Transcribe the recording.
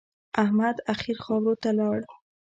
احمد اخير خاورو ته ولاړ.